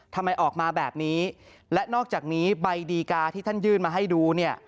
ทำไมออกมาแบบนี้และนอกจากนี้ใบดีกาที่ท่านยื่นมาให้ดูเนี่ย